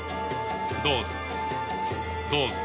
どうぞ。